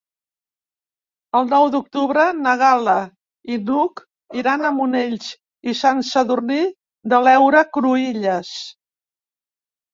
El nou d'octubre na Gal·la i n'Hug iran a Monells i Sant Sadurní de l'Heura Cruïlles.